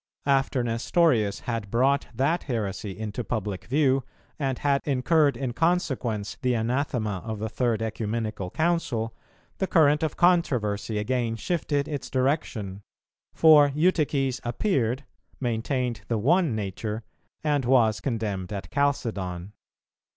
After Nestorius had brought that heresy into public view, and had incurred in consequence the anathema of the Third Ecumenical Council, the current of controversy again shifted its direction; for Eutyches appeared, maintained the One Nature, and was condemned at Chalcedon.